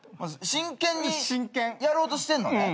真剣にやろうとしてんのね。